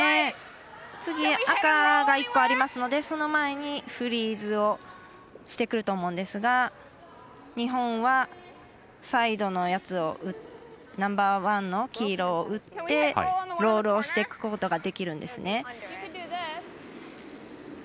次、赤が１個ありますのでその前にフリーズをしてくると思うんですが日本はサイドのやつをナンバーワンの黄色を打ってロールをしていくことができるんですね。